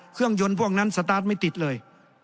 เครื่องยนต์พวกนั้นสตาร์ทไม่ติดเลย